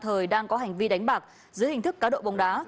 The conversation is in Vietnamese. thời đang có hành vi đánh bạc dưới hình thức cá độ bóng đá